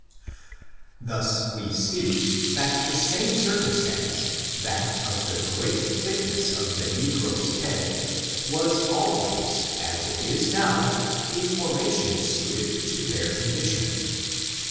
Thus we see, that the same circumstance — that of the great thickness of the negro's head — was always^ as it is now, a formation suited to their condition.